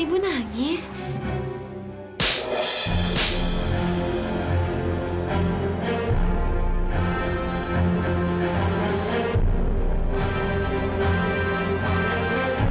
ibu ngelamu ucapin terima kasih